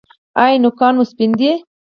ایا نوکان مو سپین دي؟